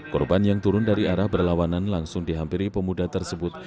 korban yang turun dari arah berlawanan langsung dihampiri pemuda tersebut